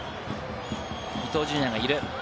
伊東純也がいる。